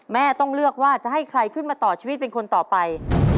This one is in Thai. แม่ต้องเลือกว่าจะให้ใครขึ้นมาต่อชีวิตเป็นคนต่อไป